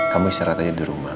kamu istirahat aja di rumah